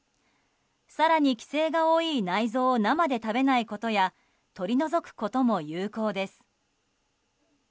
更に、寄生が多い内臓を生で食べないことや取り除くことも有効です。